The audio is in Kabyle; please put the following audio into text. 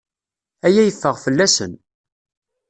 Aya yeffeɣ fell-asen.